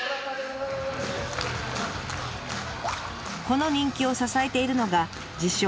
この人気を支えているのが自称